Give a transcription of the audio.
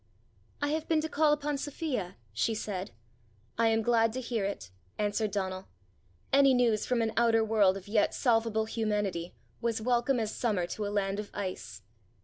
"I have been to call upon Sophia," she said. "I am glad to hear it," answered Donal: any news from an outer world of yet salvable humanity was welcome as summer to a land of ice.